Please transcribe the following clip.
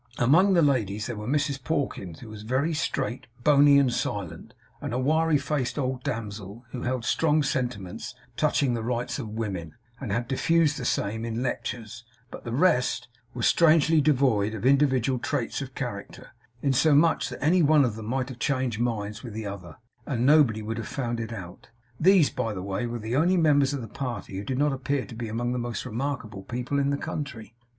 Among the ladies, there were Mrs Pawkins, who was very straight, bony, and silent; and a wiry faced old damsel, who held strong sentiments touching the rights of women, and had diffused the same in lectures; but the rest were strangely devoid of individual traits of character, insomuch that any one of them might have changed minds with the other, and nobody would have found it out. These, by the way, were the only members of the party who did not appear to be among the most remarkable people in the country.